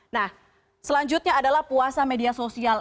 nah selanjutnya adalah puasa media sosial